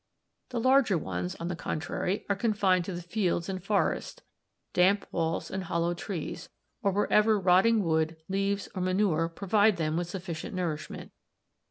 The larger ones, on the contrary, are confined to the fields and forests, damp walls and hollow trees; or wherever rotting wood, leaves, or manure provide them with sufficient nourishment.